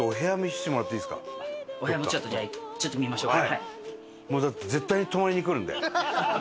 お部屋もちょっとじゃあちょっと見ましょうか。